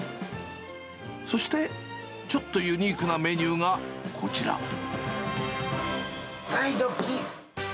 そして、ちょっとユニークなメニはい、ジョッキ。